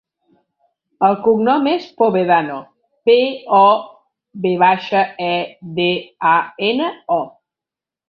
El cognom és Povedano: pe, o, ve baixa, e, de, a, ena, o.